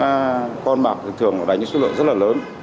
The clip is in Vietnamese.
các con bạc thường đánh sức lượng rất lớn